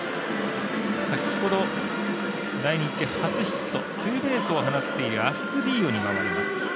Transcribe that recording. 先ほど来日初ヒットツーベースを放っているアストゥディーヨに回ります。